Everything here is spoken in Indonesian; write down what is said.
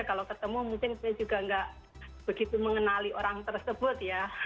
kalau ketemu mungkin saya juga nggak begitu mengenali orang tersebut ya